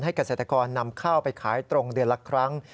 เกษตรกรนำข้าวไปขายตรงเดือนละครั้ง